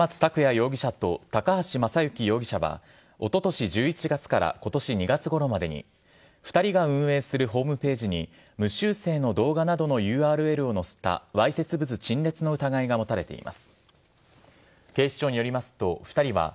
容疑者と、高橋政行容疑者は、おととし１１月からことし２月ごろまでに２人が運営するホームページに、無修整の動画などのＵＲＬを載せたわいせつ物陳列の疑いが持たれています。